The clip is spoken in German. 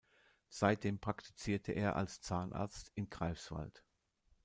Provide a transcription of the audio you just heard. Seitdem praktizierte er als Zahnarzt in Greifswald.